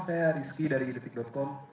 saya rizky dari detik com